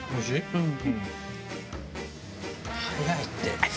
うん。